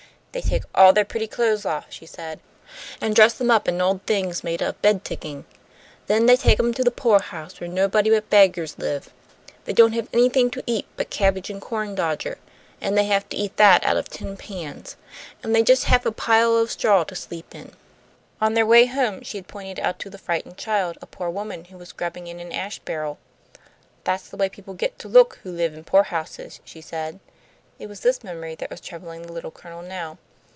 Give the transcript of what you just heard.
"They take all their pretty clothes off," she said, "and dress them up in old things made of bed ticking. Then they take 'm to the poorhouse, where nobody but beggars live. They don't have anything to eat but cabbage and corndodger, and they have to eat that out of tin pans. And they just have a pile of straw to sleep in." On their way home she had pointed out to the frightened child a poor woman who was grubbing in an ash barrel. "That's the way people get to look who live in poorhouses," she said. It was this memory that was troubling the Little Colonel now.